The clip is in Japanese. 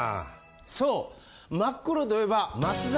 そう真っ黒といえば。